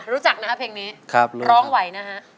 รู้จักนะครับเพลงนี้ร้องไหวนะฮะ